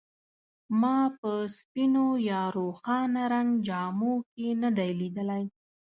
ما په سپینو یا روښانه رنګ جامو کې نه دی لیدلی.